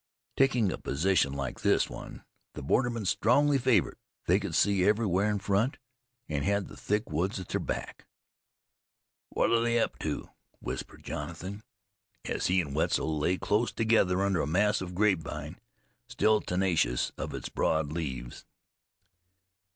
Taking a position like this was one the bordermen strongly favored. They could see everywhere in front, and had the thick woods at their backs. "What are they up to?" whispered Jonathan, as he and Wetzel lay close together under a mass of grapevine still tenacious of its broad leaves.